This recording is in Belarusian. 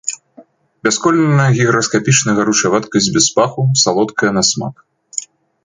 Бясколерная гіграскапічная гаручая вадкасць без паху, салодкая на смак.